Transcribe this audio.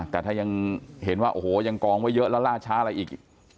แต่ถ้ายังเห็นว่าโอ้โหยังกองไว้เยอะแล้วล่าช้าอะไรอีก